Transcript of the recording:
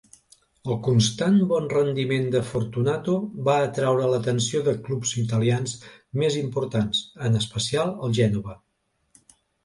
El constant bon rendiment de Fortunato va atraure l'atenció de clubs italians més importants, en especial el Gènova.